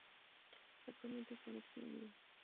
Actualmente están extinguidos.